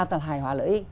là hài hòa lợi ích